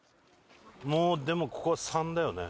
もうでもここは「３」だよね。